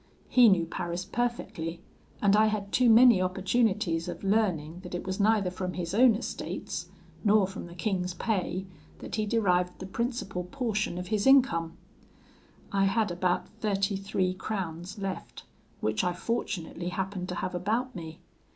He knew Paris perfectly; and I had too many opportunities of learning that it was neither from his own estates, nor from the king's pay, that he derived the principal portion of his income. I had about thirty three crowns left, which I fortunately happened to have about me.